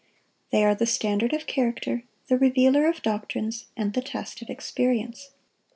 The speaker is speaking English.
They are the standard of character, the revealer of doctrines, and the test of experience.